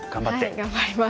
頑張ります。